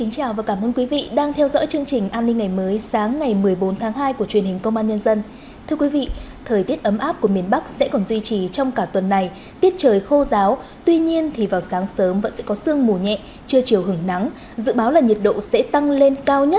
chào mừng quý vị đến với bộ phim hãy nhớ like share và đăng ký kênh của chúng mình nhé